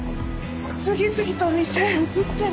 次々と店を移ってる。